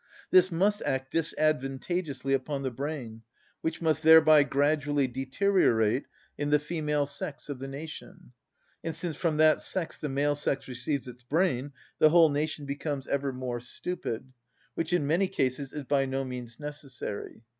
This must act disadvantageously upon the brain, which must thereby gradually deteriorate in the female sex of the nation; and since from that sex the male sex receives its brain, the whole nation becomes ever more stupid; which in many cases is by no means necessary.